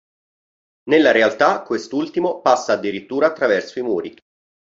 Nella realtà quest'ultimo passa addirittura attraverso i muri.